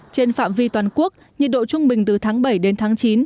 trên phạm vi toàn quốc nhiệt độ trung bình từ tháng bảy đến tháng chín